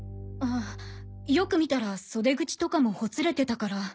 ああよく見たら袖口とかもほつれてたから。